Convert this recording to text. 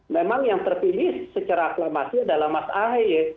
memang yang terpilih secara aklamasi adalah mas ahy